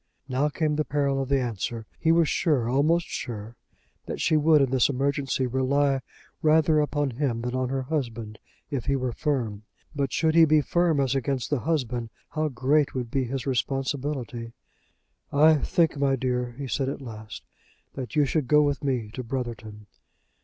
Now came the peril of the answer. He was sure, almost sure, that she would in this emergency rely rather upon him than on her husband, if he were firm; but should he be firm as against the husband, how great would be his responsibility! "I think, my dear," he said, at last, "that you should go with me to Brotherton."